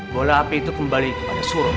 bola api itu kembali kepada suruh